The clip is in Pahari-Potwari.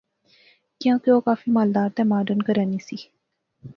کیاں کہ او کافی مالدار تہ ماڈرن کہرے نی سی